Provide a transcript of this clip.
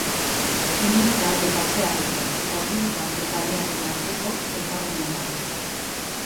Uribitarte pasealekua eta Uribitarte kalearen arteko elkargunean dago.